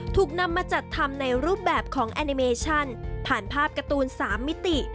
ถูกนำมาจัดทำในรูปแบบของแอนิเมชั่นผ่านภาพการ์ตูน๓มิติ